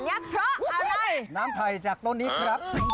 ขนาดนี้เพราะน้ำไผ่จากต้นนี้ครับ